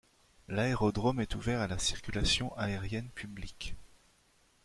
L'aérodrome est ouvert à la Circulation Aérienne Publique.